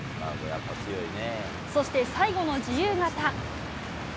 そして、最後の自由形。